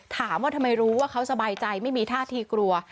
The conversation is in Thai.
ถามว่าทำไมรู้ว่าเขาสบายใจไม่มีท่าทีกลัว